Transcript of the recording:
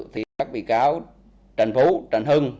thì các bị cáo trần phú trần hưng